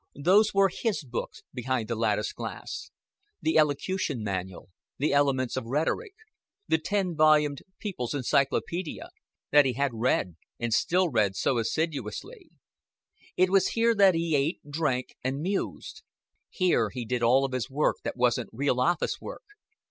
Those were his books, behind the latticed glass the Elocution Manual, the Elements of Rhetoric, the ten volumed People's Encyclopedia, that he had read, and still read so assiduously. It was here that he ate, drank, and mused. Here he did all of his work that wasn't real office work.